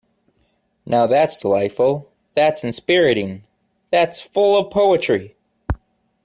Now that's delightful, that's inspiriting, that's full of poetry!